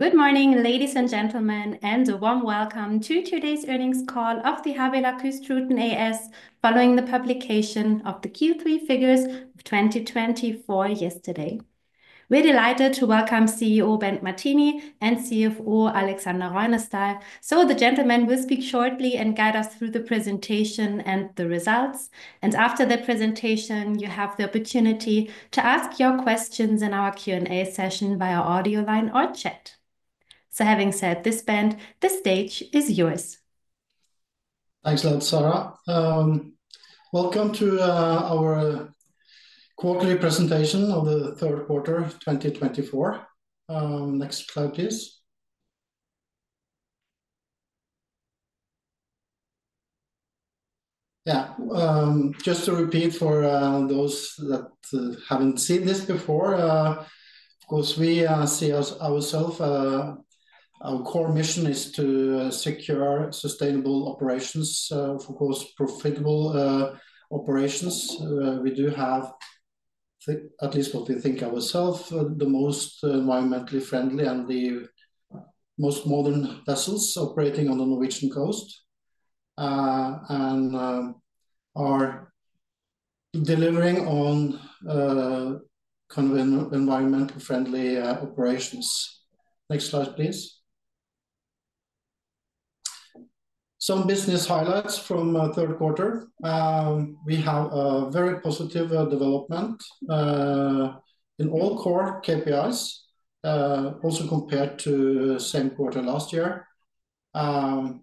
Good morning, ladies and gentlemen, and a warm welcome to today's earnings call of the Havila Kystruten AS following the publication of the Q3 figures of 2024 yesterday. We're delighted to welcome CEO Bent Martini and CFO Aleksander Røynesdal. So, the gentlemen will speak shortly and guide us through the presentation and the results. And after the presentation, you have the opportunity to ask your questions in our Q&A session via audio line or chat. So, having said this, Bent, the stage is yours. Thanks a lot, Sarah. Welcome to our quarterly presentation of the Q3 2024. Next slide, please. Yeah, just to repeat for those that haven't seen this before, of course, we see ourselves. Our core mission is to secure sustainable operations, of course, profitable operations. We do have, at least what we think ourselves, the most environmentally friendly and the most modern vessels operating on the Norwegian coast and are delivering on kind of environmentally friendly operations. Next slide, please. Some business highlights from Q3. We have a very positive development in all core KPIs, also compared to the same quarter last year. The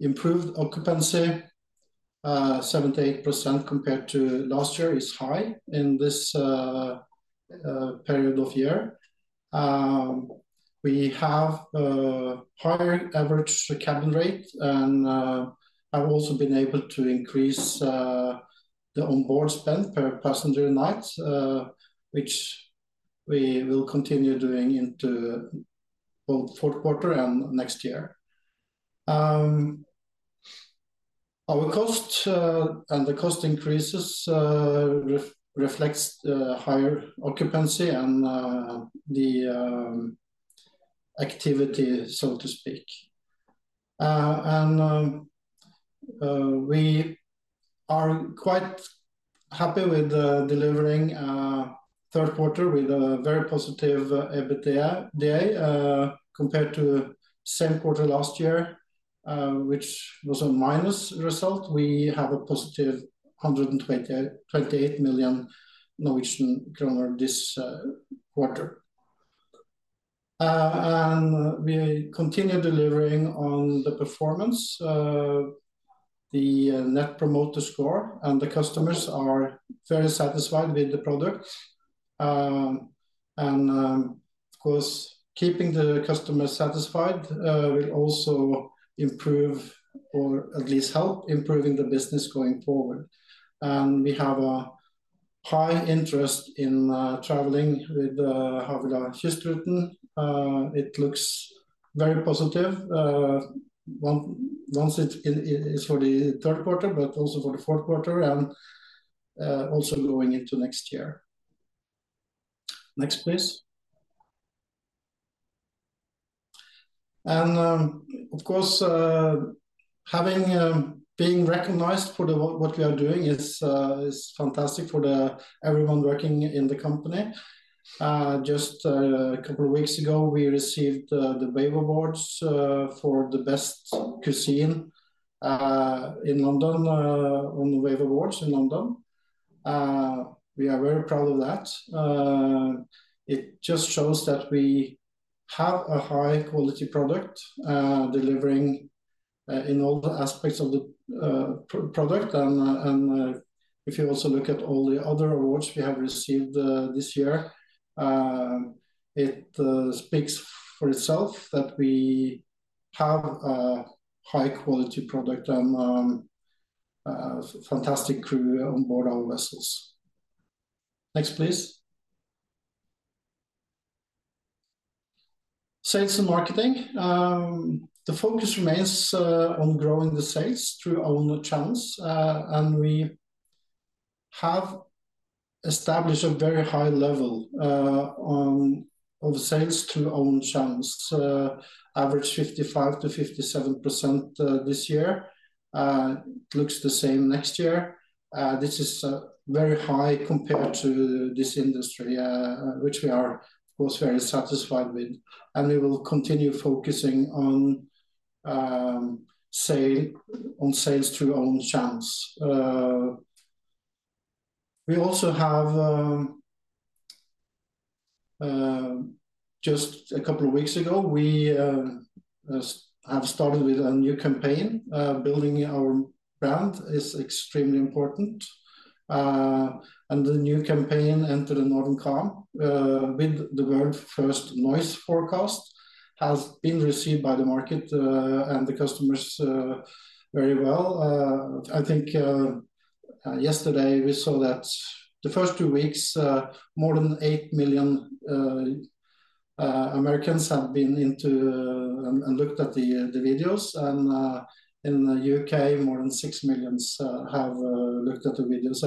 improved occupancy, 78% compared to last year, is high in this period of year. We have a higher average cabin rate, and I've also been able to increase the onboard spend per passenger night, which we will continue doing into both Q4 and next year. Our cost and the cost increases reflect higher occupancy and the activity, so to speak. And we are quite happy with delivering Q3 with a very positive EBITDA compared to the same quarter last year, which was a minus result. We have a positive 128 million Norwegian kroner this quarter. And we continue delivering on the performance, the Net Promoter Score, and the customers are very satisfied with the product. And, of course, keeping the customers satisfied will also improve, or at least help improving the business going forward. And we have a high interest in traveling with Havila Kystruten. It looks very positive once it's for the Q3, but also for the Q4 and also going into next year. Next, please. And, of course, being recognized for what we are doing is fantastic for everyone working in the company. Just a couple of weeks ago, we received the Wave Awards for the best cuisine in London at the Wave Awards in London. We are very proud of that. It just shows that we have a high-quality product delivering in all aspects of the product. And if you also look at all the other awards we have received this year, it speaks for itself that we have a high-quality product and a fantastic crew on board our vessels. Next, please. Sales and marketing. The focus remains on growing the sales through our own channels. We have established a very high level of sales through our own channels, average 55%-57% this year. It looks the same next year. This is very high compared to this industry, which we are, of course, very satisfied with. We will continue focusing on sales through our own channels. We also have, just a couple of weeks ago, started with a new campaign. Building our brand is extremely important. The new campaign entitled Northern Calm with The World's First Noise Forecast has been received by the market and the customers very well. I think yesterday we saw that the first two weeks, more than eight million Americans have been into and looked at the videos. In the UK, more than six million have looked at the videos.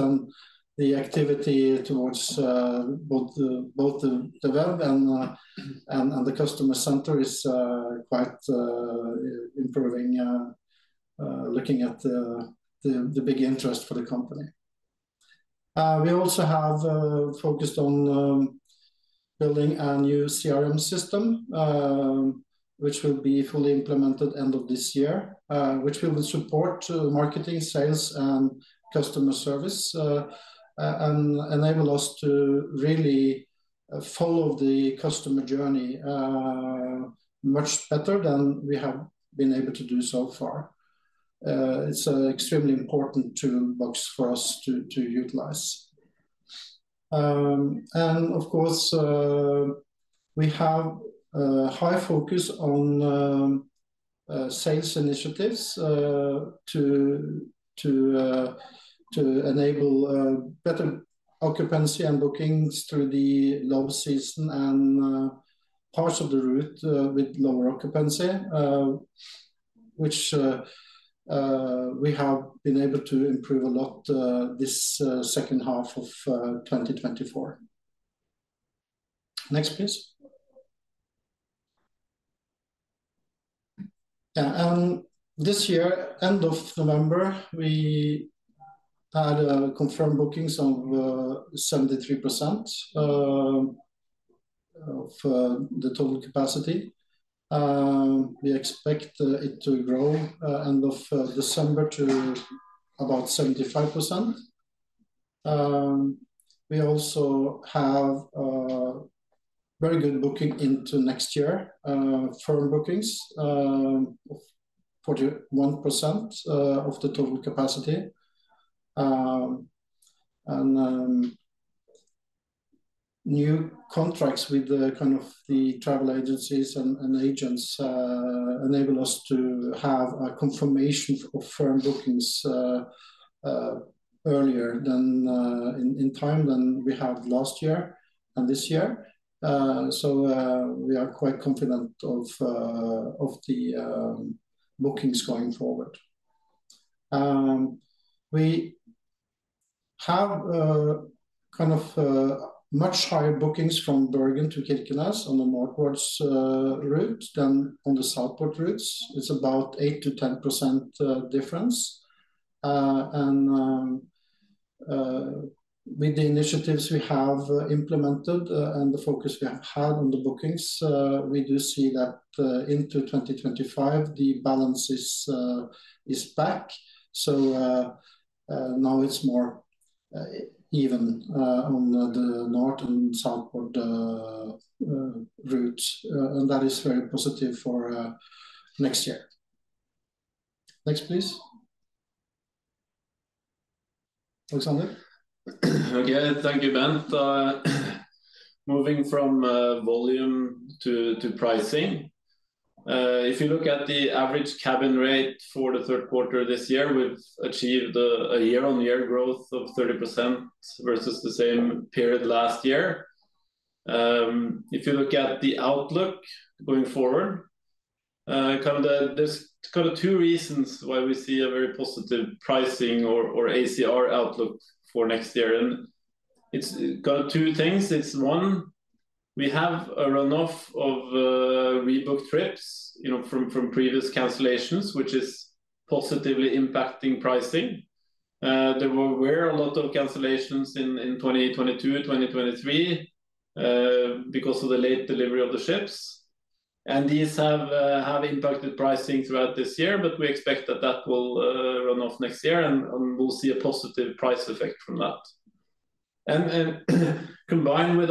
The activity towards both the web and the customer center is quite improving, looking at the big interest for the company. We also have focused on building a new CRM system, which will be fully implemented at the end of this year, which will support marketing, sales, and customer service and enable us to really follow the customer journey much better than we have been able to do so far. It's an extremely important toolbox for us to utilize. And, of course, we have a high focus on sales initiatives to enable better occupancy and bookings through the low season and parts of the route with lower occupancy, which we have been able to improve a lot this H1 of 2024. Next, please. Yeah, and this year, end of November, we had confirmed bookings of 73% of the total capacity. We expect it to grow end of December to about 75%. We also have very good booking into next year, firm bookings of 41% of the total capacity. And new contracts with kind of the travel agencies and agents enable us to have a confirmation of firm bookings earlier than in time than we had last year and this year. So we are quite confident of the bookings going forward. We have kind of much higher bookings from Bergen to Kirkenes on the northwards route than on the southward routes. It's about 8%-10% difference. And with the initiatives we have implemented and the focus we have had on the bookings, we do see that into 2025, the balance is back. So now it's more even on the north and southward routes. And that is very positive for next year. Next, please. Alexander. Okay, thank you, Bent. Moving from volume to pricing, if you look at the average cabin rate for the Q3 this year, we've achieved a year-on-year growth of 30% versus the same period last year. If you look at the outlook going forward, kind of there's kind of two reasons why we see a very positive pricing or ACR outlook for next year. It's kind of two things. It's one, we have a runoff of rebooked trips from previous cancellations, which is positively impacting pricing. There were a lot of cancellations in 2022 and 2023 because of the late delivery of the ships. These have impacted pricing throughout this year, but we expect that that will run off next year and we'll see a positive price effect from that. Combined with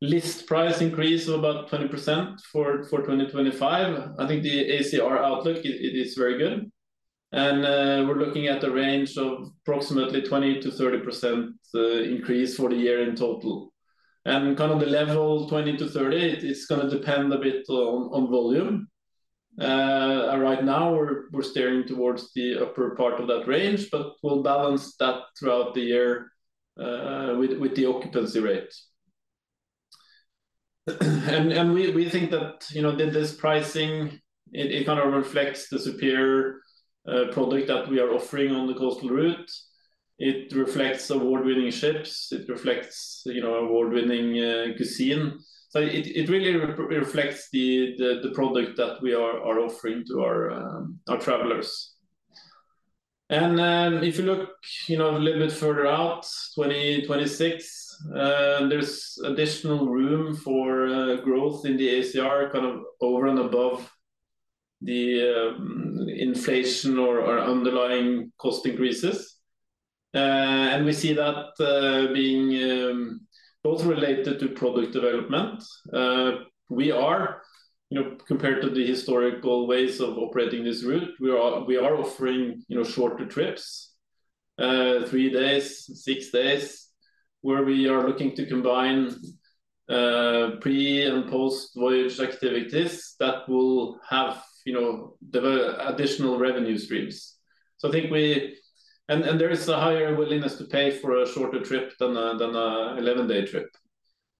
a list price increase of about 20% for 2025, I think the ACR outlook is very good. We're looking at a range of approximately 20%-30% increase for the year in total. Kind of the level 20%-30%, it's going to depend a bit on volume. Right now, we're steering towards the upper part of that range, but we'll balance that throughout the year with the occupancy rate. We think that this pricing, it kind of reflects the superior product that we are offering on the coastal route. It reflects award-winning ships. It reflects award-winning cuisine. It really reflects the product that we are offering to our travelers. If you look a little bit further out, 2026, there's additional room for growth in the ACR kind of over and above the inflation or underlying cost increases. And we see that being both related to product development. We are, compared to the historical ways of operating this route, we are offering shorter trips, three days, six days, where we are looking to combine pre and post-voyage activities that will have additional revenue streams. So I think we, and there is a higher willingness to pay for a shorter trip than an 11-day trip.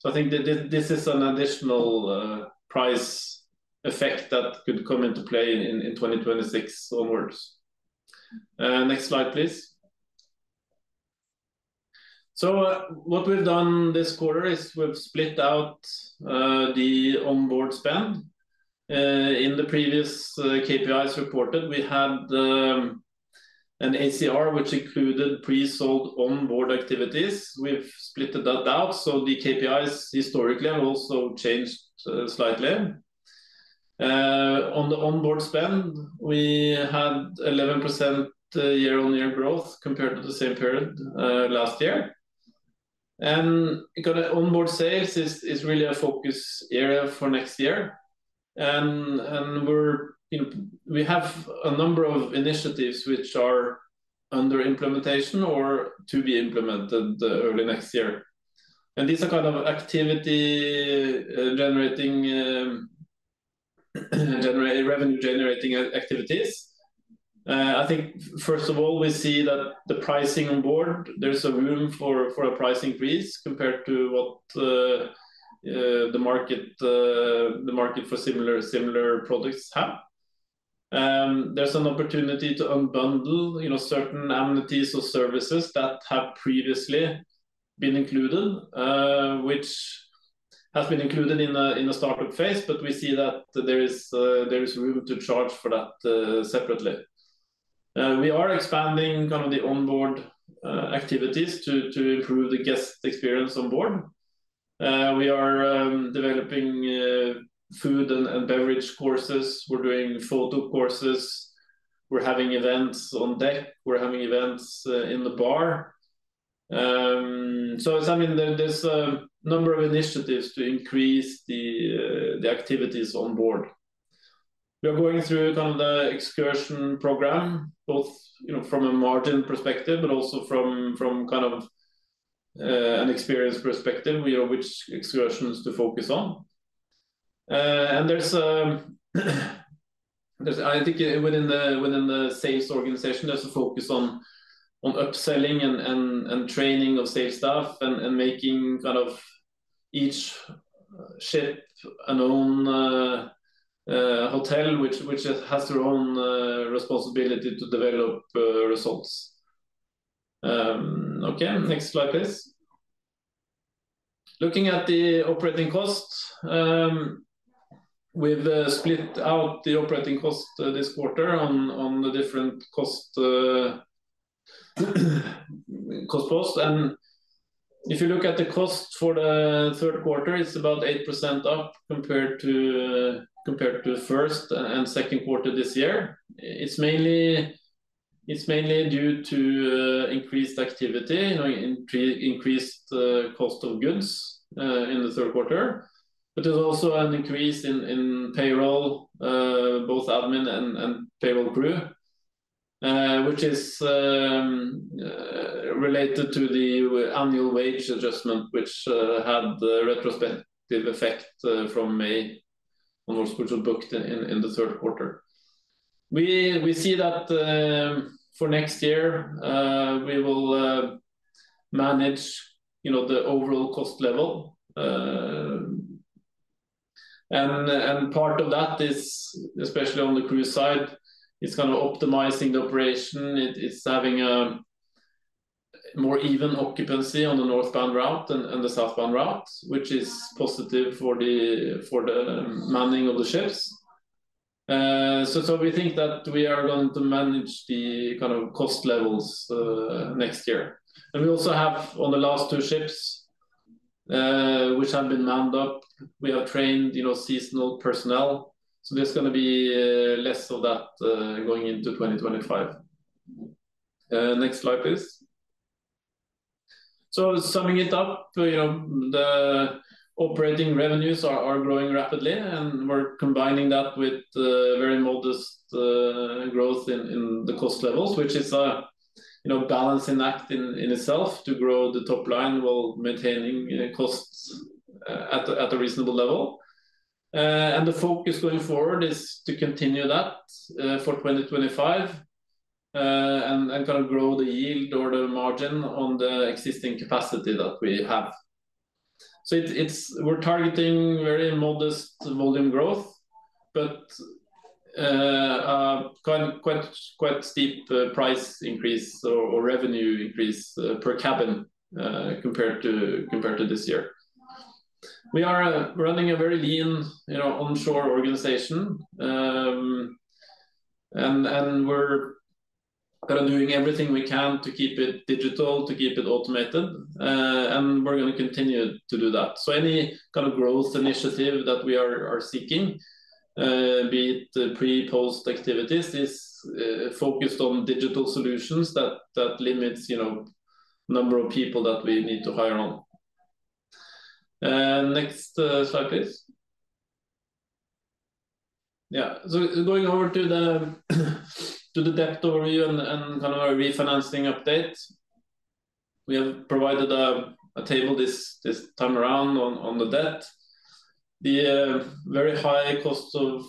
So I think this is an additional price effect that could come into play in 2026 onwards. Next slide, please. So what we've done this quarter is we've split out the onboard spend. In the previous KPIs reported, we had an ACR, which included pre-sold onboard activities. We've split that out. So the KPIs historically have also changed slightly. On the onboard spend, we had 11% year-on-year growth compared to the same period last year. Onboard sales is really a focus area for next year. We have a number of initiatives which are under implementation or to be implemented early next year. These are kind of activity-generating revenue-generating activities. I think, first of all, we see that the pricing on board, there's a room for a price increase compared to what the market for similar products have. There's an opportunity to unbundle certain amenities or services that have previously been included, which has been included in a startup phase, but we see that there is room to charge for that separately. We are expanding kind of the onboard activities to improve the guest experience on board. We are developing food and beverage courses. We're doing photo courses. We're having events on deck. We're having events in the bar. So I mean, there's a number of initiatives to increase the activities on board. We are going through kind of the excursion program, both from a margin perspective, but also from kind of an experience perspective, which excursions to focus on. And I think within the sales organization, there's a focus on upselling and training of sales staff and making kind of each ship an own hotel, which has their own responsibility to develop results. Okay, next slide, please. Looking at the operating costs, we've split out the operating costs this quarter on the different costs. And if you look at the cost for the Q3, it's about 8% up compared to first and Q2 this year. It's mainly due to increased activity, increased cost of goods in the Q3, but there's also an increase in payroll, both admin and payroll crew, which is related to the annual wage adjustment, which had a retrospective effect from May on what's booked in the Q3. We see that for next year, we will manage the overall cost level, and part of that is, especially on the crew side, it's kind of optimizing the operation. It's having a more even occupancy on the northbound route and the southbound route, which is positive for the manning of the ships, so we think that we are going to manage the kind of cost levels next year, and we also have on the last two ships, which have been manned up, we have trained seasonal personnel, so there's going to be less of that going into 2025. Next slide, please. So summing it up, the operating revenues are growing rapidly, and we're combining that with very modest growth in the cost levels, which is a balancing act in itself to grow the top line while maintaining costs at a reasonable level. And the focus going forward is to continue that for 2025 and kind of grow the yield or the margin on the existing capacity that we have. So we're targeting very modest volume growth, but quite steep price increase or revenue increase per cabin compared to this year. We are running a very lean onshore organization, and we're kind of doing everything we can to keep it digital, to keep it automated, and we're going to continue to do that. So any kind of growth initiative that we are seeking, be it pre-post activities, is focused on digital solutions that limit the number of people that we need to hire on. Next slide, please. Yeah, so going over to the debt overview and kind of our refinancing update. We have provided a table this time around on the debt. The very high costs of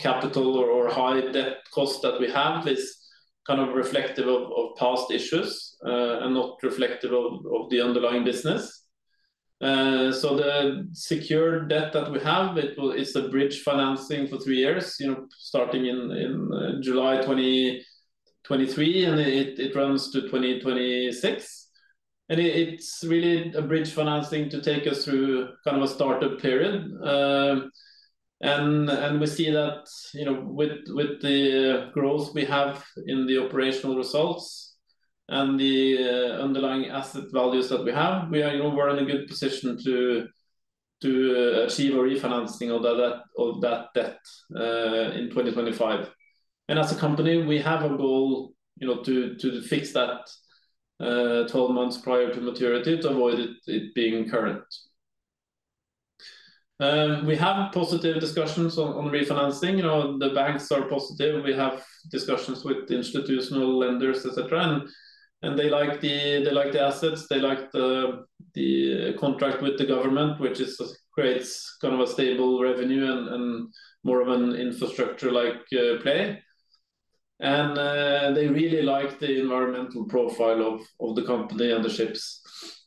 capital or high debt costs that we have is kind of reflective of past issues and not reflective of the underlying business. So the secured debt that we have, it's a bridge financing for three years, starting in July 2023, and it runs to 2026, and it's really a bridge financing to take us through kind of a startup period. And we see that with the growth we have in the operational results and the underlying asset values that we have, we are in a good position to achieve a refinancing of that debt in 2025. And as a company, we have a goal to fix that 12 months prior to maturity to avoid it being current. We have positive discussions on refinancing. The banks are positive. We have discussions with institutional lenders, etc. And they like the assets. They like the contract with the government, which creates kind of a stable revenue and more of an infrastructure-like play. And they really like the environmental profile of the company and the ships.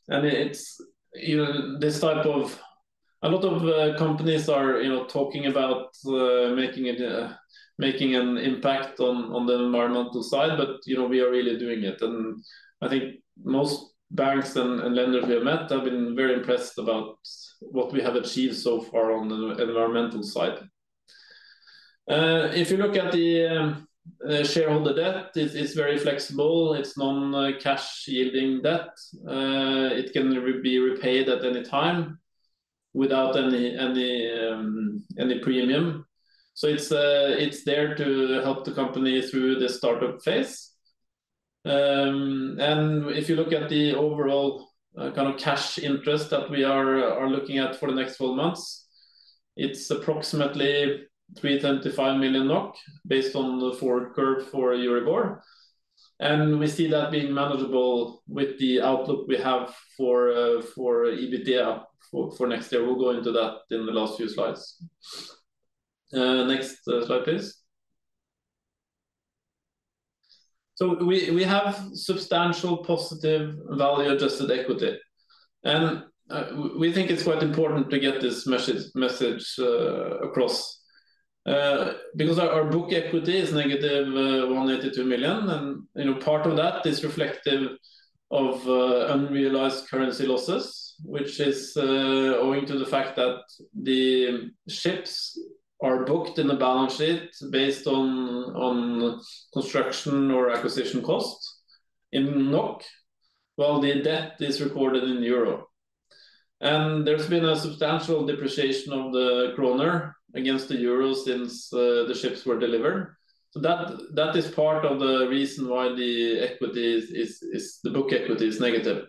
And this type of a lot of companies are talking about making an impact on the environmental side, but we are really doing it. And I think most banks and lenders we have met have been very impressed about what we have achieved so far on the environmental side. If you look at the shareholder debt, it's very flexible. It's non-cash yielding debt. It can be repaid at any time without any premium. So it's there to help the company through the startup phase. And if you look at the overall kind of cash interest that we are looking at for the next 12 months, it's approximately 325 million NOK based on the forward curve for Euribor. And we see that being manageable with the outlook we have for EBITDA for next year. We'll go into that in the last few slides. Next slide, please. So we have substantial positive value-adjusted equity. And we think it's quite important to get this message across because our book equity is negative 182 million. Part of that is reflective of unrealized currency losses, which is owing to the fact that the ships are booked in the balance sheet based on construction or acquisition cost in NOK, while the debt is recorded in euro. There's been a substantial depreciation of the kroner against the euro since the ships were delivered. That is part of the reason why the book equity is negative.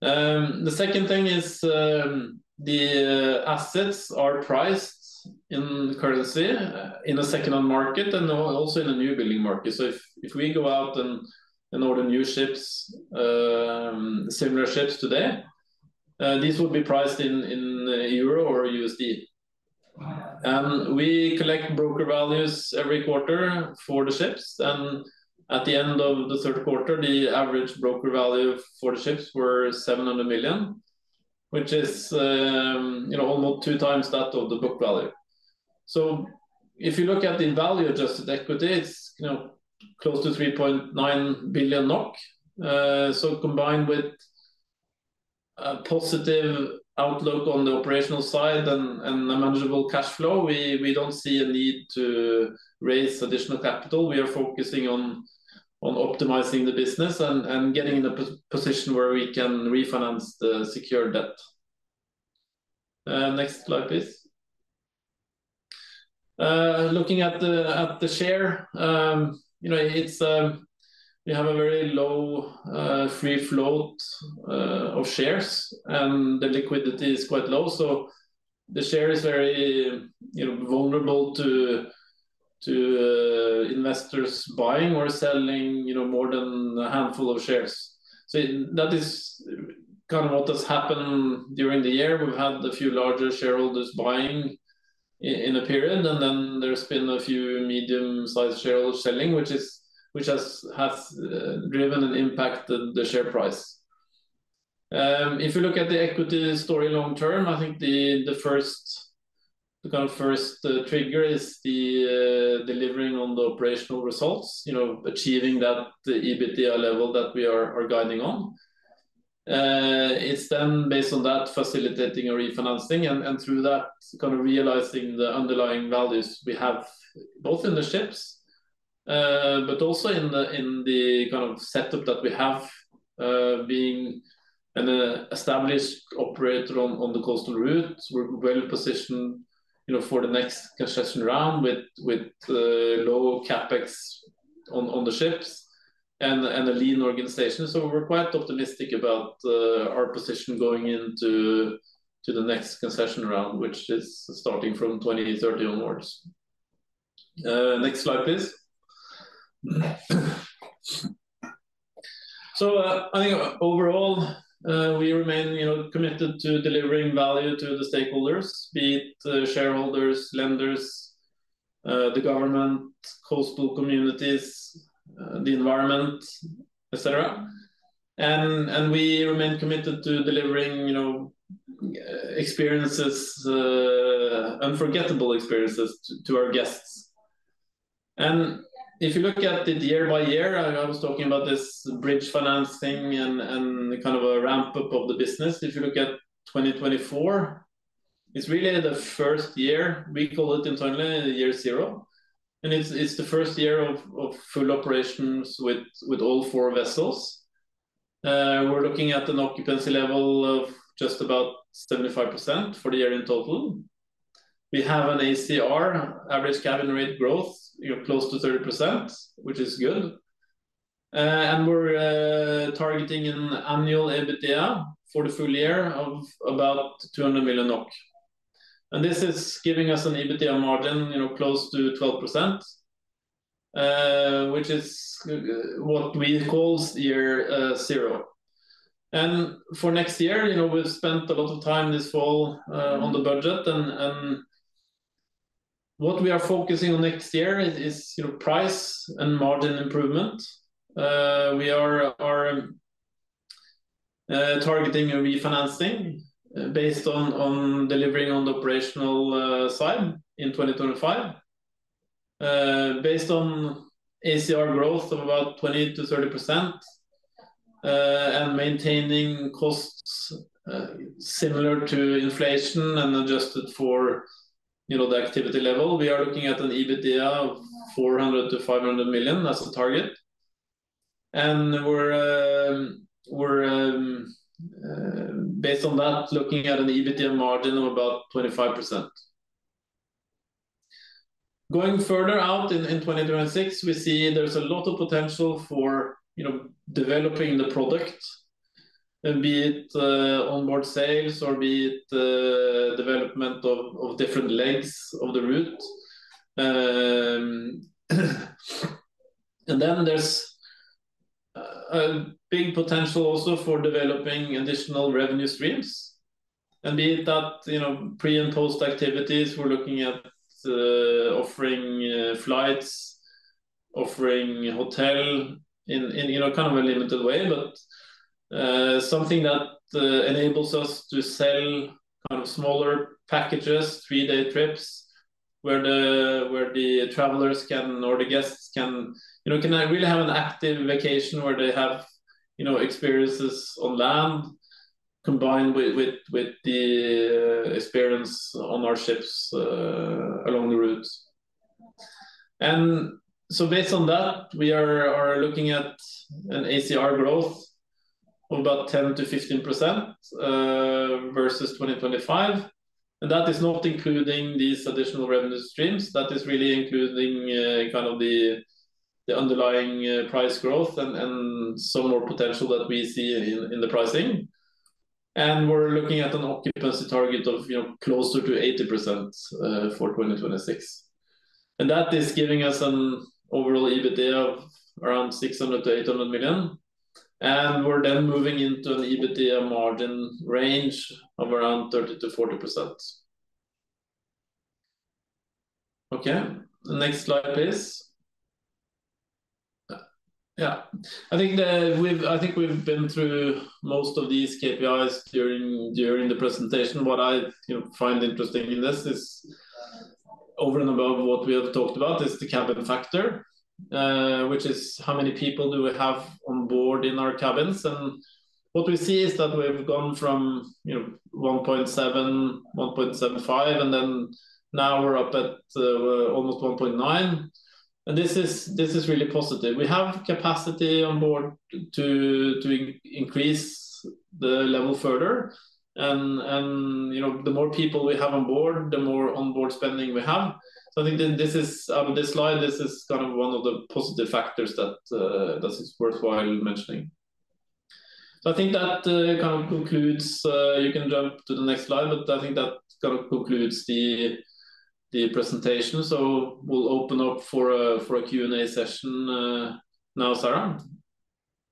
The second thing is the assets are priced in currency in a second-hand market and also in a new building market. If we go out and order new ships, similar ships today, these will be priced in euro or USD. We collect broker values every quarter for the ships. At the end of the Q3, the average broker value for the ships was 700 million, which is almost two times that of the book value. If you look at the value-adjusted equity, it's close to 3.9 billion NOK. Combined with a positive outlook on the operational side and a manageable cash flow, we don't see a need to raise additional capital. We are focusing on optimizing the business and getting in a position where we can refinance the secured debt. Next slide, please. Looking at the share, we have a very low free float of shares, and the liquidity is quite low. The share is very vulnerable to investors buying or selling more than a handful of shares. That is kind of what has happened during the year. We've had a few larger shareholders buying in a period, and then there's been a few medium-sized shareholders selling, which has driven and impacted the share price. If you look at the equity story long-term, I think the kind of first trigger is the delivering on the operational results, achieving that EBITDA level that we are guiding on. It's then based on that facilitating a refinancing and through that kind of realizing the underlying values we have both in the ships, but also in the kind of setup that we have being an established operator on the coastal routes. We're well positioned for the next concession round with low Capex on the ships and a lean organization. So we're quite optimistic about our position going into the next concession round, which is starting from 2030 onwards. Next slide, please. So I think overall, we remain committed to delivering value to the stakeholders, be it shareholders, lenders, the government, coastal communities, the environment, etc. And we remain committed to delivering unforgettable experiences to our guests. And if you look at it year by year, I was talking about this bridge financing and kind of a ramp-up of the business. If you look at 2024, it's really the first year. We call it internally year zero. And it's the first year of full operations with all four vessels. We're looking at an occupancy level of just about 75% for the year in total. We have an ACR, average cabin rate growth, close to 30%, which is good. And we're targeting an annual EBITDA for the full year of about 200 million NOK. And this is giving us an EBITDA margin close to 12%, which is what we call year zero. And for next year, we've spent a lot of time this fall on the budget. And what we are focusing on next year is price and margin improvement. We are targeting a refinancing based on delivering on the operational side in 2025, based on ACR growth of about 20%-30%, and maintaining costs similar to inflation and adjusted for the activity level. We are looking at an EBITDA of 400-500 million as a target, and we're, based on that, looking at an EBITDA margin of about 25%. Going further out in 2026, we see there's a lot of potential for developing the product, be it onboard sales or be it development of different legs of the route, and then there's a big potential also for developing additional revenue streams. And with that pre- and post-activities, we're looking at offering flights, offering hotel in kind of a limited way, but something that enables us to sell kind of smaller packages, three-day trips, where the travelers can or the guests can really have an active vacation where they have experiences on land combined with the experience on our ships along the route. And so based on that, we are looking at an ACR growth of about 10%-15% versus 2025. And that is not including these additional revenue streams. That is really including kind of the underlying price growth and some more potential that we see in the pricing. And we're looking at an occupancy target of closer to 80% for 2026. And that is giving us an overall EBITDA of around 600-800 million. And we're then moving into an EBITDA margin range of around 30%-40%. Okay. Next slide, please. Yeah. I think we've been through most of these KPIs during the presentation. What I find interesting in this is over and above what we have talked about is the cabin factor, which is how many people do we have on board in our cabins. And what we see is that we've gone from 1.7, 1.75, and then now we're up at almost 1.9. And this is really positive. We have capacity on board to increase the level further. And the more people we have on board, the more onboard spending we have. So I think this is out of this slide, this is kind of one of the positive factors that is worthwhile mentioning. I think that kind of concludes the presentation. We'll open up for a Q&A session now, Sarah.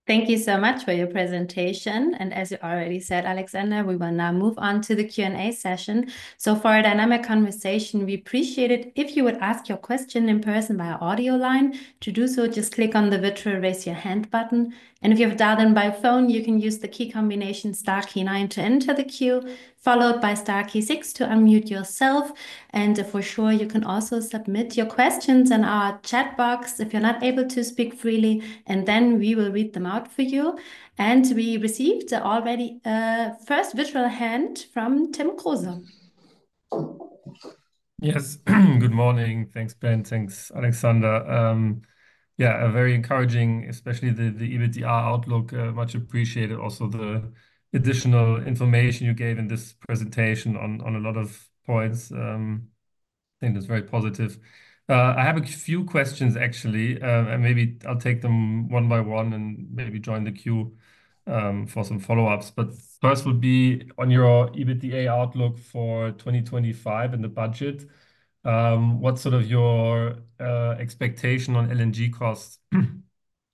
Thank you so much for your presentation. As you already said, Alexander, we will now move on to the Q&A session. For a dynamic conversation, we appreciate it if you would ask your question in person by audio line. To do so, just click on the virtual raise your hand button. If you have dialed in by phone, you can use the key combination star key 9 to enter the queue, followed by star key 6 to unmute yourself. You can also submit your questions in our chat box if you're not able to speak freely, and then we will read them out for you. And we received already a first virtual hand from Tim Klöser. Yes. Good morning. Thanks, Ben. Thanks, Aleksander. Yeah, very encouraging, especially the EBITDA outlook. Much appreciated also the additional information you gave in this presentation on a lot of points. I think it's very positive. I have a few questions, actually. Maybe I'll take them one by one and maybe join the queue for some follow-ups. But first would be on your EBITDA outlook for 2025 and the budget. What's sort of your expectation on LNG costs?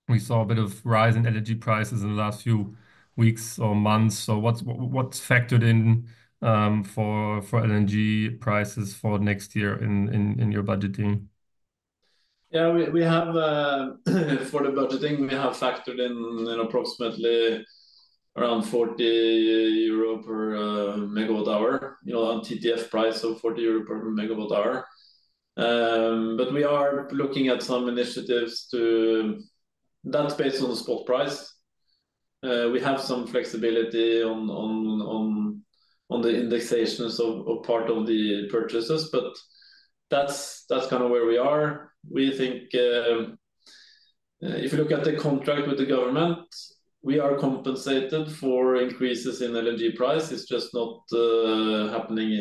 We saw a bit of rise in LNG prices in the last few weeks or months. So what's factored in for LNG prices for next year in your budgeting? Yeah, for the budgeting, we have factored in approximately around 40 euro per megawatt hour on TTF price of 40 euro per megawatt hour. But we are looking at some initiatives that that's based on the spot price. We have some flexibility on the indexations of part of the purchases, but that's kind of where we are. We think if you look at the contract with the government, we are compensated for increases in LNG price. It's just not happening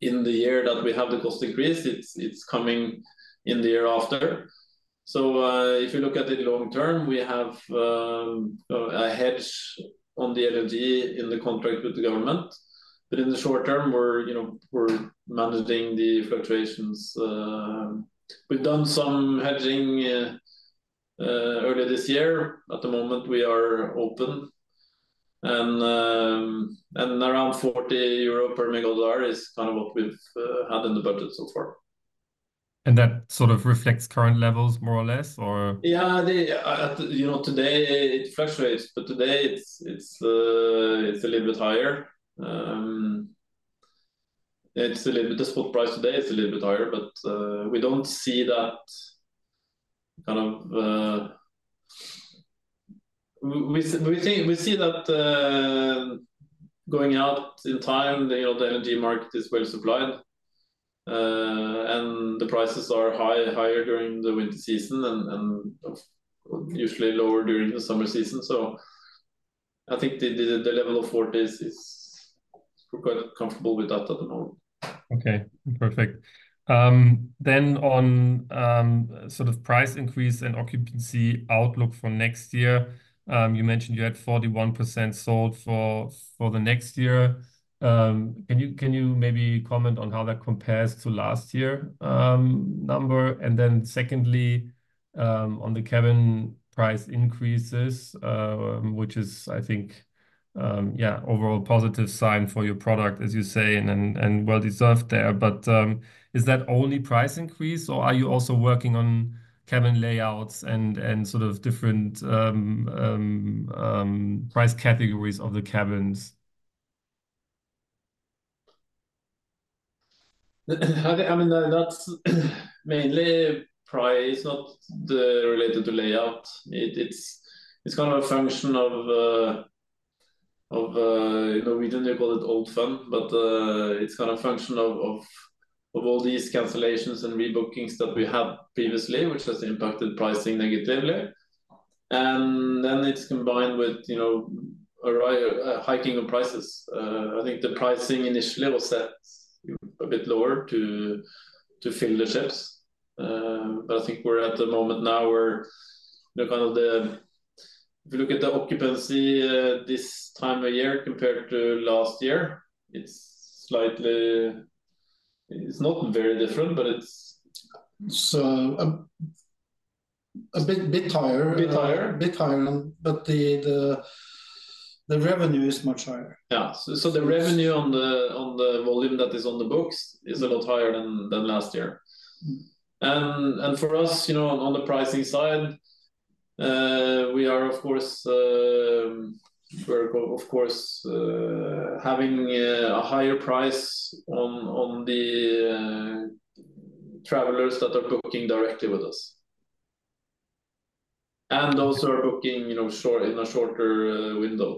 in the year that we have the cost increase. It's coming in the year after. So if you look at it long-term, we have a hedge on the LNG in the contract with the government. But in the short term, we're managing the fluctuations. We've done some hedging earlier this year. At the moment, we are open. And around €40 per megawatt hour is kind of what we've had in the budget so far. And that sort of reflects current levels more or less, or? Yeah, today it fluctuates, but today it's a little bit higher. The spot price today is a little bit higher, but we don't see that kind of we see that going out in time, the LNG market is well supplied. And the prices are higher during the winter season and usually lower during the summer season. So I think the level of 40 is we're quite comfortable with that at the moment. Okay. Perfect. Then on sort of price increase and occupancy outlook for next year, you mentioned you had 41% sold for the next year. Can you maybe comment on how that compares to last year's number? And then secondly, on the cabin price increases, which is, I think, yeah, overall positive sign for your product, as you say, and well-deserved there. But is that only price increase, or are you also working on cabin layouts and sort of different price categories of the cabins? I mean, that's mainly price, not related to layout. It's kind of a function of we don't call it all fun, but it's kind of a function of all these cancellations and rebookings that we had previously, which has impacted pricing negatively. And then it's combined with a hiking of prices. I think the pricing initially was set a bit lower to fill the ships. But I think we're at the moment now where kind of the if you look at the occupancy this time of year compared to last year, it's slightly not very different, but it's a bit higher. A bit higher. A bit higher, but the revenue is much higher. Yeah. So the revenue on the volume that is on the books is a lot higher than last year. And for us, on the pricing side, we are, of course, having a higher price on the travelers that are booking directly with us and those who are booking in a shorter window.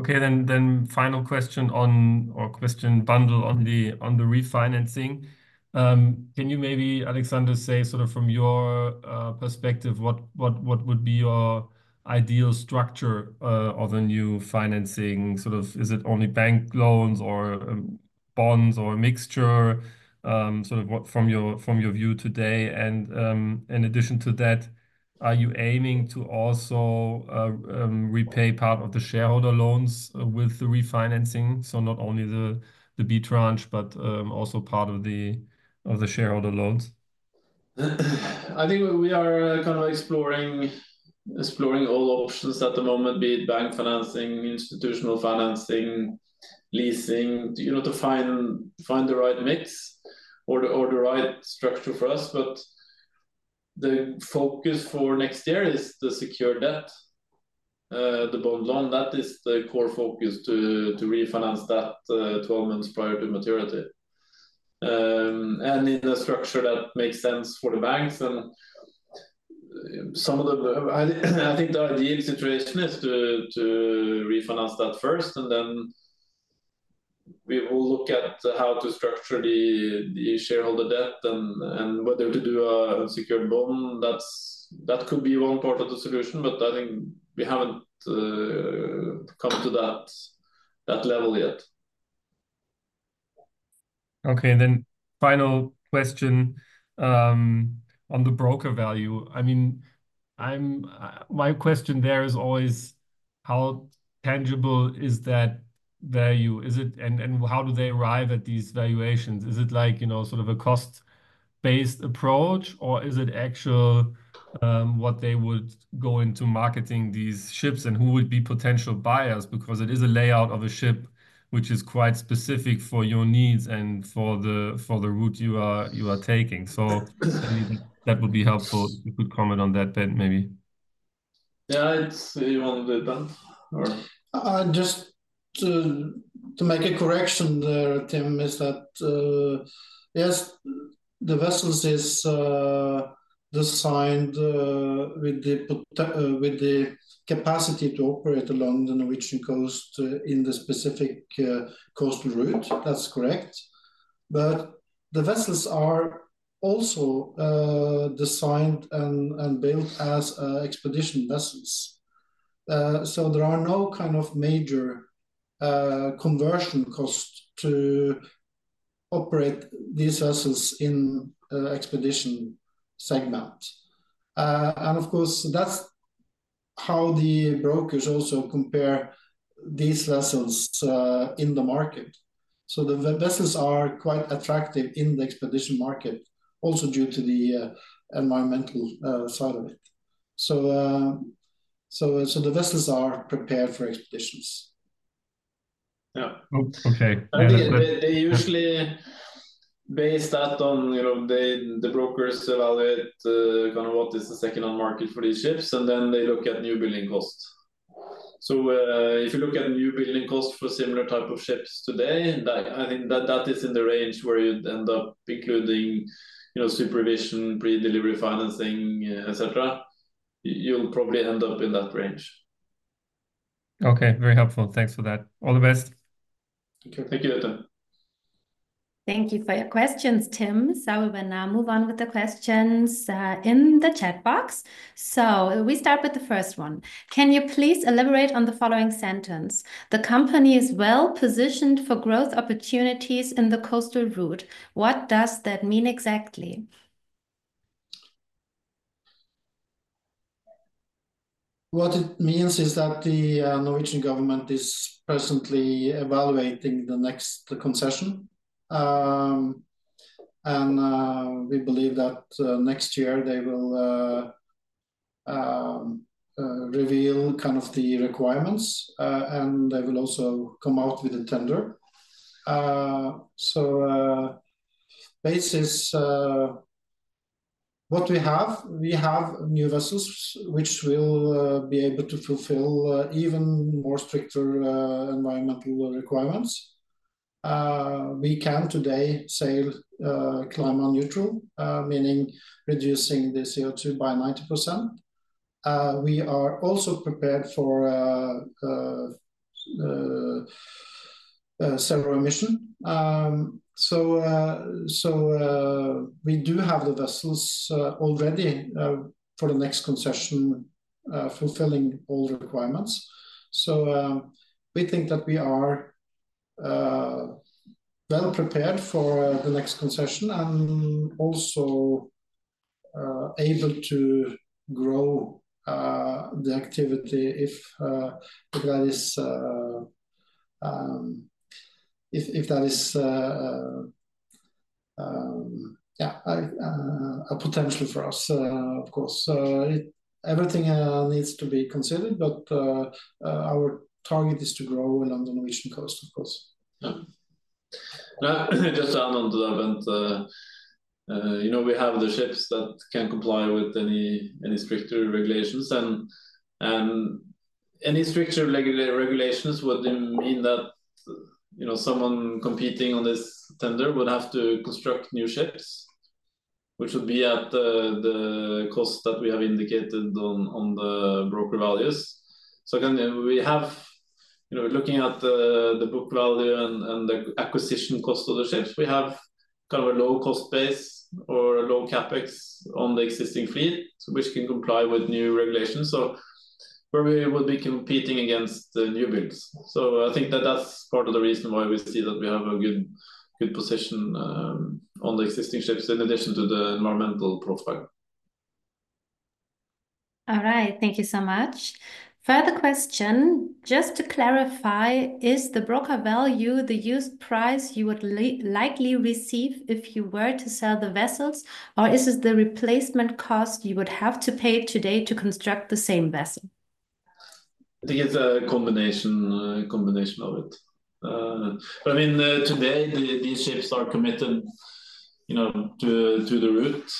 Okay. Then final question or question bundle on the refinancing. Can you maybe, Alexander, say sort of from your perspective, what would be your ideal structure of a new financing? Sort of is it only bank loans or bonds or a mixture? Sort of from your view today. And in addition to that, are you aiming to also repay part of the shareholder loans with the refinancing? So not only the B tranche, but also part of the shareholder loans? I think we are kind of exploring all options at the moment, be it bank financing, institutional financing, leasing, to find the right mix or the right structure for us. But the focus for next year is the secured debt, the bond loan. That is the core focus to refinance that 12 months prior to maturity, and in a structure that makes sense for the banks and some of the, I think, the ideal situation is to refinance that first, and then we will look at how to structure the shareholder debt and whether to do a secured bond. That could be one part of the solution, but I think we haven't come to that level yet. Okay, then final question on the broker value. I mean, my question there is always, how tangible is that value? And how do they arrive at these valuations? Is it sort of a cost-based approach, or is it actual what they would go into marketing these ships and who would be potential buyers? Because it is a layout of a ship which is quite specific for your needs and for the route you are taking. So that would be helpful. You could comment on that bit, maybe. Yeah. It's a little bit of that, or? Just to make a correction there, Tim, is that yes, the vessels is designed with the capacity to operate along the Norwegian coast in the specific coastal route. That's correct. But the vessels are also designed and built as expedition vessels. So there are no kind of major conversion costs to operate these vessels in expedition segment. And of course, that's how the brokers also compare these vessels in the market. So the vessels are quite attractive in the expedition market, also due to the environmental side of it. So the vessels are prepared for expeditions. Yeah. Okay. And they usually base that on the brokers' evaluation of kind of what is the second-hand market for these ships, and then they look at new building costs. So if you look at new building costs for similar type of ships today, I think that is in the range where you'd end up including supervision, pre-delivery financing, etc. You'll probably end up in that range. Okay. Very helpful. Thanks for that. All the best. Thank you. Thank you, [Tim]. Thank you for your questions, Tim. So we will now move on with the questions in the chat box. So we start with the first one. Can you please elaborate on the following sentence? The company is well positioned for growth opportunities in the coastal route. What does that mean exactly? What it means is that the Norwegian government is presently evaluating the next concession. And we believe that next year, they will reveal kind of the requirements, and they will also come out with a tender. So, based on what we have, we have new vessels which will be able to fulfill even more stricter environmental requirements. We can today sail climate neutral, meaning reducing the CO2 by 90%. We are also prepared for zero emission. So we do have the vessels already for the next concession fulfilling all requirements. So we think that we are well prepared for the next concession and also able to grow the activity if that is, yeah, a potential for us, of course. Everything needs to be considered, but our target is to grow along the Norwegian Coast, of course. Just to add on to that, Bent, we have the ships that can comply with any stricter regulations. And any stricter regulations would mean that someone competing on this tender would have to construct new ships, which would be at the cost that we have indicated on the broker values. So we have looking at the book value and the acquisition cost of the ships, we have kind of a low cost base or a low Capex on the existing fleet, which can comply with new regulations. So where we would be competing against new builds. So I think that that's part of the reason why we see that we have a good position on the existing ships in addition to the environmental profile. All right. Thank you so much. Further question. Just to clarify, is the broker value the used price you would likely receive if you were to sell the vessels, or is it the replacement cost you would have to pay today to construct the same vessel? I think it's a combination of it. But I mean, today, these ships are committed to the route.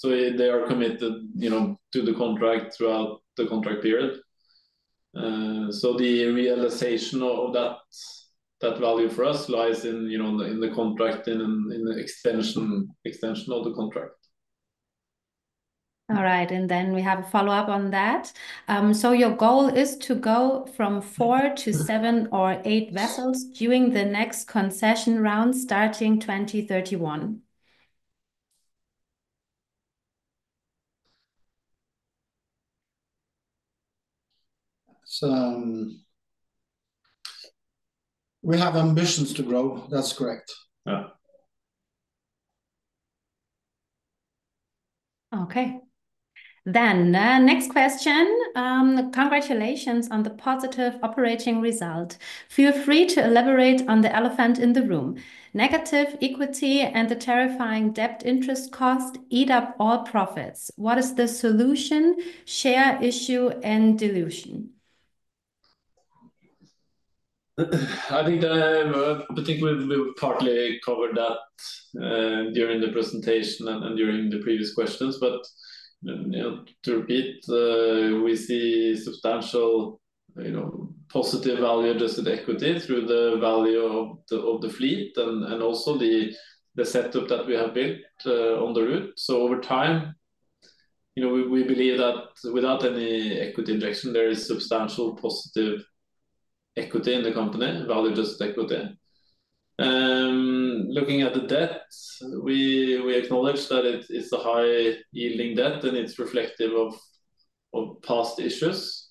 So they are committed to the contract throughout the contract period. So the realization of that value for us lies in the contract and in the extension of the contract. All right. And then we have a follow-up on that. So your goal is to go from four to seven or eight vessels during the next concession round starting 2031. We have ambitions to grow. That's correct. Okay. Then next question. Congratulations on the positive operating result. Feel free to elaborate on the elephant in the room. Negative equity and the terrifying debt interest cost eat up all profits. What is the solution, share issue, and dilution? I think we've partly covered that during the presentation and during the previous questions. But to repeat, we see substantial positive value-adjusted equity through the value of the fleet and also the setup that we have built on the route. So over time, we believe that without any equity injection, there is substantial positive equity in the company, value-adjusted equity. Looking at the debt, we acknowledge that it's a high-yielding debt, and it's reflective of past issues.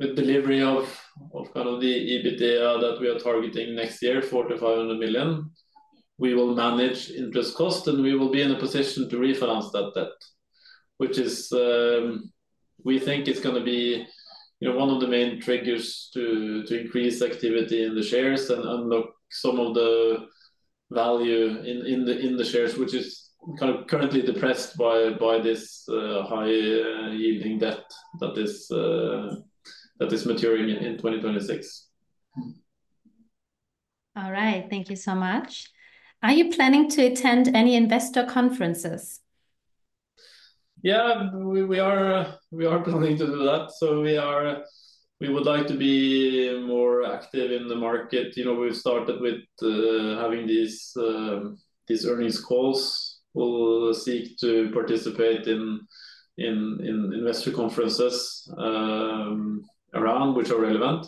With delivery of kind of the EBITDA that we are targeting next year, 400-500 million, we will manage interest costs, and we will be in a position to refinance that debt, which we think is going to be one of the main triggers to increase activity in the shares and unlock some of the value in the shares, which is kind of currently depressed by this high-yielding debt that is maturing in 2026. All right. Thank you so much. Are you planning to attend any investor conferences? Yeah. We are planning to do that. So we would like to be more active in the market. We've started with having these earnings calls. We'll seek to participate in investor conferences around which are relevant.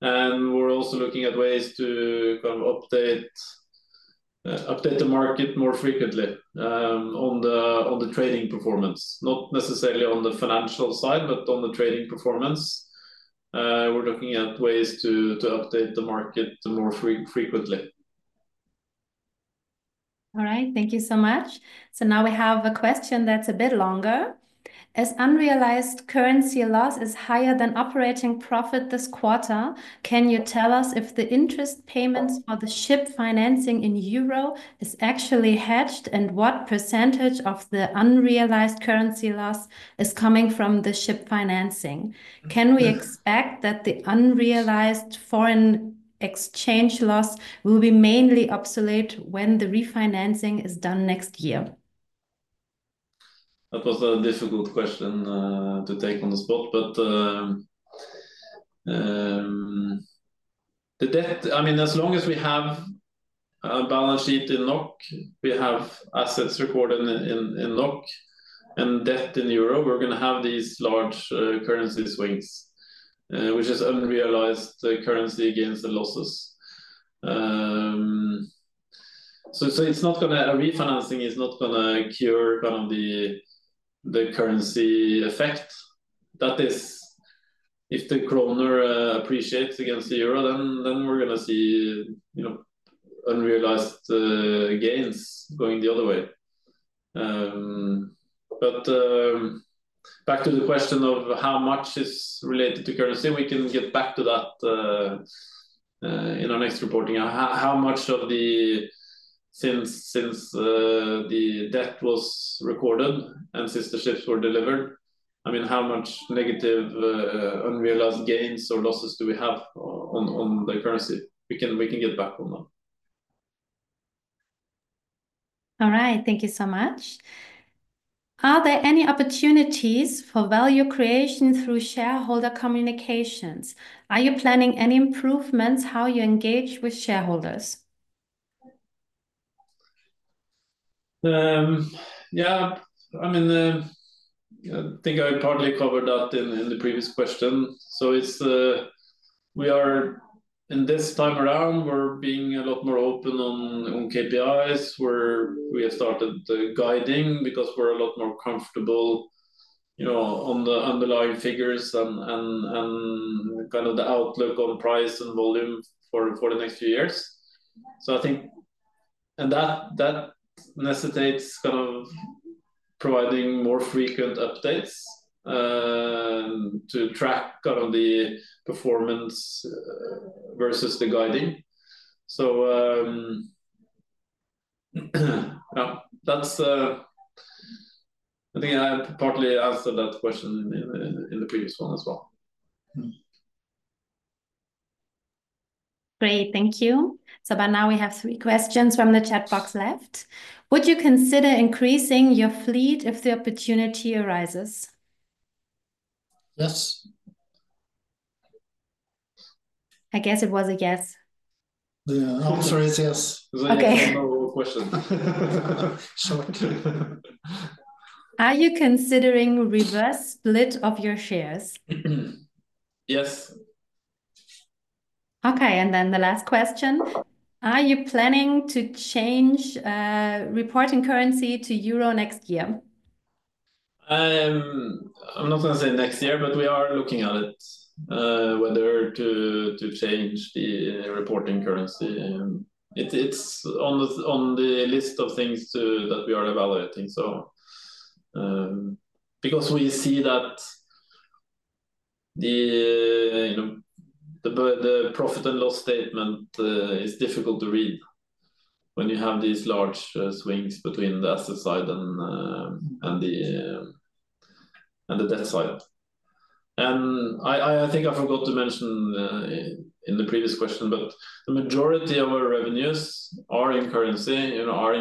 We're also looking at ways to kind of update the market more frequently on the trading performance, not necessarily on the financial side, but on the trading performance. We're looking at ways to update the market more frequently. All right. Thank you so much. Now we have a question that's a bit longer. As unrealized currency loss is higher than operating profit this quarter, can you tell us if the interest payments for the ship financing in euro is actually hedged and what percentage of the unrealized currency loss is coming from the ship financing? Can we expect that the unrealized foreign exchange loss will be mainly obsolete when the refinancing is done next year? That was a difficult question to take on the spot, but the debt, I mean, as long as we have a balance sheet in NOK, we have assets recorded in NOK, and debt in euro, we're going to have these large currency swings, which is unrealized currency against the losses. So it's not going to. Refinancing is not going to cure kind of the currency effect. That is, if the kroner appreciates against the euro, then we're going to see unrealized gains going the other way. But back to the question of how much is related to currency, we can get back to that in our next reporting. How much of the since the debt was recorded and since the ships were delivered, I mean, how much negative unrealized gains or losses do we have on the currency? We can get back on that. All right. Thank you so much. Are there any opportunities for value creation through shareholder communications? Are you planning any improvements how you engage with shareholders? Yeah. I mean, I think I partly covered that in the previous question. So we are in this time around, we're being a lot more open on KPIs where we have started guiding because we're a lot more comfortable on the underlying figures and kind of the outlook on price and volume for the next few years. So I think that necessitates kind of providing more frequent updates to track kind of the performance versus the guiding. So yeah, I think I partly answered that question in the previous one as well. Great. Thank you. So by now, we have three questions from the chat box left. Would you consider increasing your fleet if the opportunity arises? Yes. I guess it was a yes. Yeah. I'm sorry. It's yes. Okay. No more questions. Are you considering reverse split of your shares? Yes. Okay. And then the last question. Are you planning to change reporting currency to euro next year? I'm not going to say next year, but we are looking at it, whether to change the reporting currency. It's on the list of things that we are evaluating. So because we see that the profit and loss statement is difficult to read when you have these large swings between the asset side and the debt side. And I think I forgot to mention in the previous question, but the majority of our revenues are in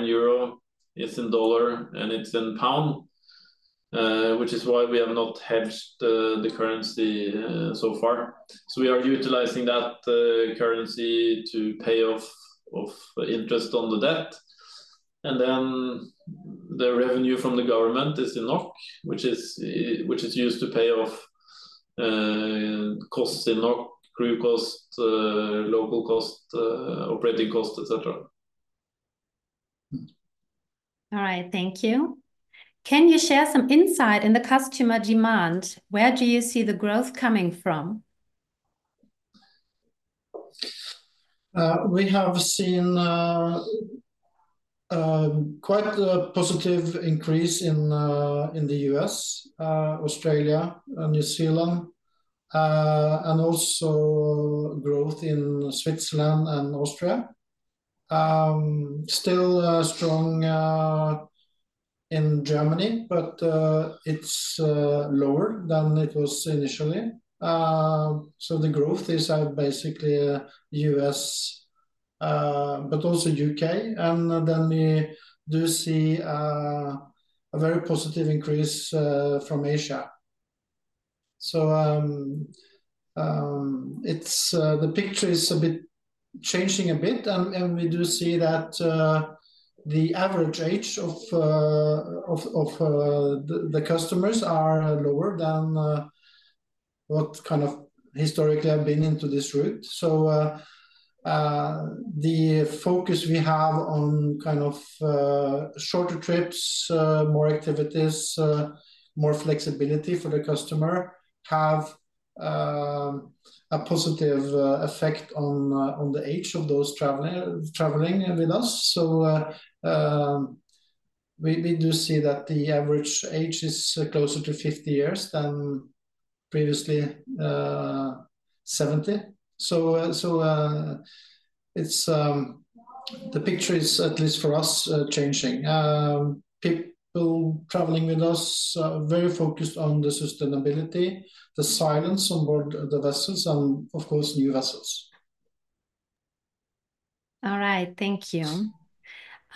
euro. It's in dollar, and it's in pound, which is why we have not hedged the currency so far. So we are utilizing that currency to pay off interest on the debt. And then the revenue from the government is in NOK, which is used to pay off costs in NOK, crew cost, local cost, operating cost, etc. All right. Thank you. Can you share some insight in the customer demand? Where do you see the growth coming from? We have seen quite a positive increase in the U.S., Australia, and New Zealand, and also growth in Switzerland and Austria. Still strong in Germany, but it's lower than it was initially. So the growth is basically U.S., but also U.K. And then we do see a very positive increase from Asia. So the picture is changing a bit, and we do see that the average age of the customers are lower than what kind of historically have been into this route. So the focus we have on kind of shorter trips, more activities, more flexibility for the customer have a positive effect on the age of those traveling with us. So we do see that the average age is closer to 50 years than previously 70. So the picture is, at least for us, changing. People traveling with us are very focused on the sustainability, the silence on board the vessels, and of course, new vessels. All right. Thank you.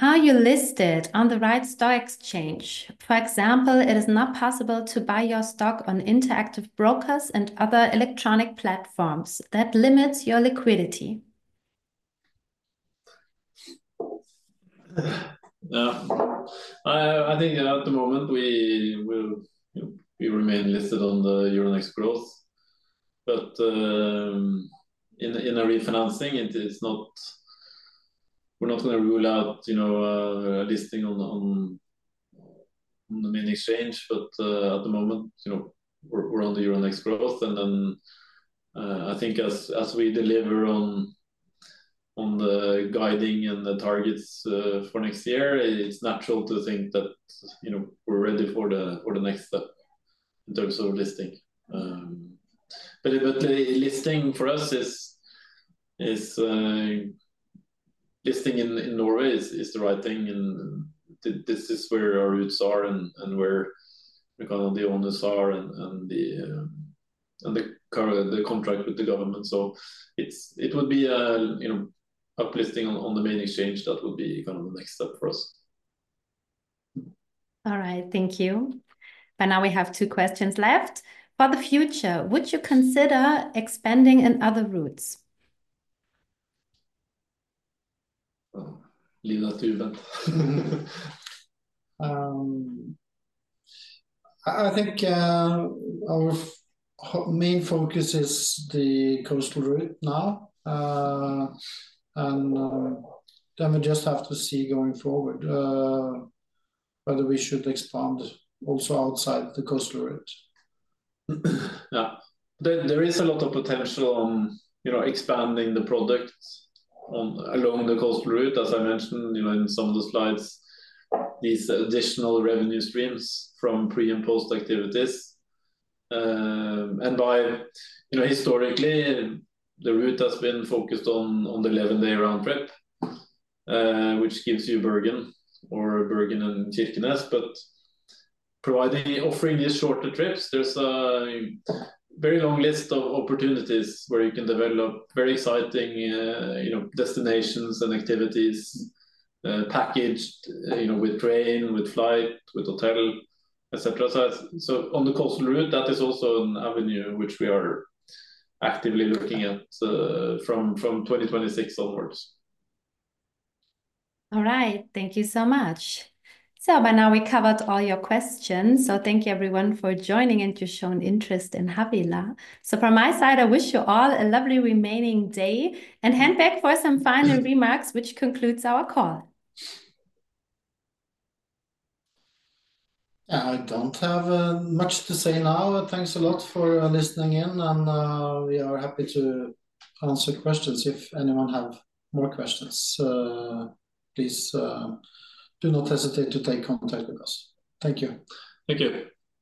Are you listed on the right stock exchange? For example, it is not possible to buy your stock on Interactive Brokers and other electronic platforms. That limits your liquidity. I think at the moment, we remain listed on the Euronext Growth. But in our refinancing, we're not going to rule out a listing on the main exchange. But at the moment, we're on the Euronext Growth. And then I think as we deliver on the guiding and the targets for next year, it's natural to think that we're ready for the next step in terms of listing. But listing for us is listing in Norway, is the right thing. And this is where our roots are and where kind of the owners are and the contract with the government. So it would be a listing on the main exchange that would be kind of the next step for us. All right. Thank you. But now we have two questions left. For the future, would you consider expanding in other routes? I think our main focus is the coastal route now. And then we just have to see going forward whether we should expand also outside the coastal route. Yeah. There is a lot of potential on expanding the product along the coastal route, as I mentioned in some of the slides: these additional revenue streams from pre- and post-activities. Historically, the route has been focused on the 11-day round trip, which gives you Bergen or Bergen and Kirkenes. Providing these shorter trips, there's a very long list of opportunities where you can develop very exciting destinations and activities packaged with train, with flight, with hotel, etc. On the coastal route, that is also an avenue which we are actively looking at from 2026 onwards. All right. Thank you so much. By now, we covered all your questions. Thank you, everyone, for joining and your shown interest in Havila. From my side, I wish you all a lovely remaining day and hand back for some final remarks, which concludes our call. I don't have much to say now. Thanks a lot for listening in, and we are happy to answer questions. If anyone has more questions, please do not hesitate to take contact with us. Thank you. Thank you.